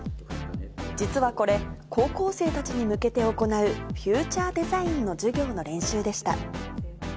実はこれ、高校生たちに向けて行う、フューチャーデザインの授業の練習でした。